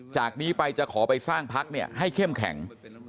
จากนี้ไปจะขอไปสร้างพักให้เข้มแข็ง